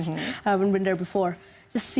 saya belum pernah berada di sana